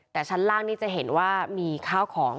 แต่ชั้นล่างนี่จะเห็นว่ามีข้าวของ